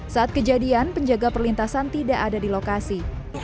saat kejadian penjaga perlintasan tidak ada di lokasi